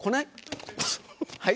はい？